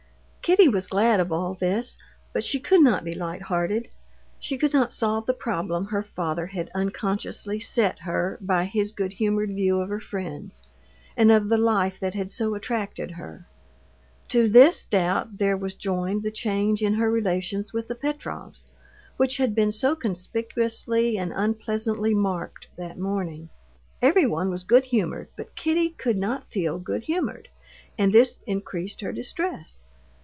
Kitty was glad of all this, but she could not be light hearted. She could not solve the problem her father had unconsciously set her by his good humored view of her friends, and of the life that had so attracted her. To this doubt there was joined the change in her relations with the Petrovs, which had been so conspicuously and unpleasantly marked that morning. Everyone was good humored, but Kitty could not feel good humored, and this increased her distress.